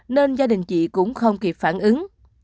nên gia đình chị cũng không kịp phản ứng